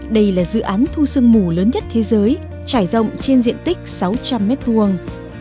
đây là dự án thu sương mù lớn nhất thế giới trải rộng trên diện tích sáu trăm linh mét vuông